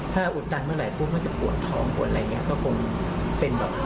ถ้าอุดตันเมื่อไหปุ๊บก็จะปวดท้องปวดอะไรอย่างนี้ก็คงเป็นแบบ